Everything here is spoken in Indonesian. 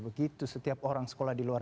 begitu setiap orang sekolah di luar